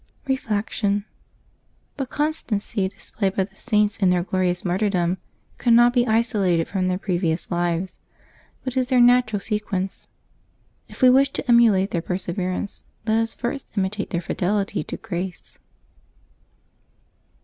Reflection. — The constancy displayed by the Saints in their glorious martyrdom cannot be isolated from their previous lives, but is their natural sequence. If we wish to emulate their perseverance, let us first imitate their fidelity to grace.